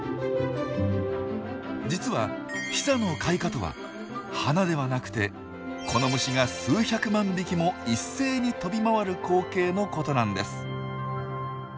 実は「ティサの開花」とは花ではなくてこの虫が数百万匹も一斉に飛び回る光景のことなんです。